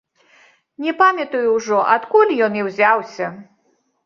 Не памятаю ўжо, адкуль ён і ўзяўся.